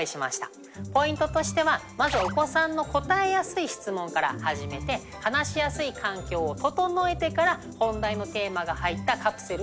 そこでポイントとしてはまずお子さんの答えやすい質問から始めて話しやすい環境を整えてから本題のテーマが入ったカプセルを追加してみてください。